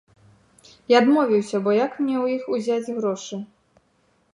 Я адмовіўся, бо як мне ўзяць у іх грошы?